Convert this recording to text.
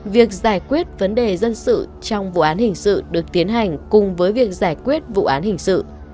việc giải quyết vấn đề dân sự trong vụ án hình sự được tiến hành cùng với việc giải quyết vụ án hình sự